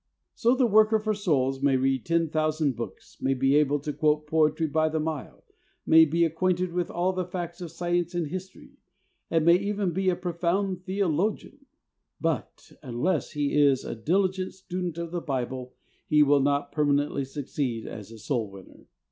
So the worker for souls may read ten thou sand books, may be able to quote poetry by the mile, may be acquainted with all the facts of science and history, and may even be a profound theologian, but unless he is a STUDIES OF THE SOUL WINNER. 59 diligent student of the Bible, he will not permanently succeed as a soul winner.